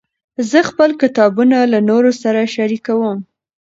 زه خپل کتابونه له نورو سره شریکوم.